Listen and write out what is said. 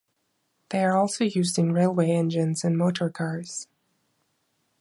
They are also used in railway engines and motor cars.